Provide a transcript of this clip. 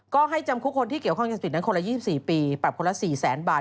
ก็ให้จำคุกคนที่เกี่ยวข้องยาเสพติดนั้นคนละ๒๔ปีปรับคนละ๔๐๐๐บาท